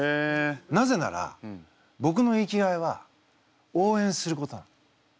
なぜならぼくの生きがいは応援することなの。